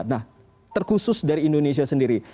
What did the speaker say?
nah terkhusus dari indonesia sendiri